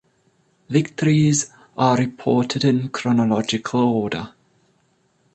Victories are reported in chronological order.